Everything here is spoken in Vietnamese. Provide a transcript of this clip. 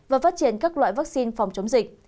và phát triển các loại vaccine phòng chống dịch